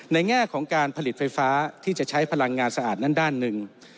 แง่ของการผลิตไฟฟ้าที่จะใช้พลังงานสะอาดนั้นด้านหนึ่ง